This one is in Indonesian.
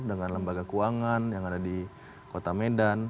dengan lembaga keuangan yang ada di kota medan